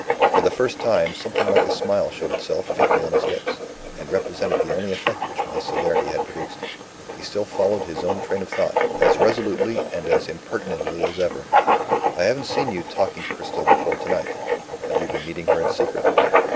For the first time, something like a smile showed itself faintly on his lips and represented the only effect which my severity had produced. He still followed his own train of thought, as resolutely and as impertinently as ever. "I haven't seen you talking to Cristel before to night. Have you been meeting her in secret?"